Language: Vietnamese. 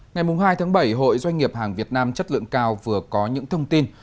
ngày hai tháng bảy hội doanh nghiệp hàng việt nam chất lượng cao vừa có những thông tin